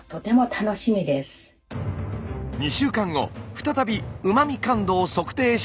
再びうま味感度を測定します。